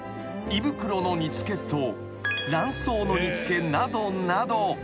胃袋の煮付けと卵巣の煮付けなどなど］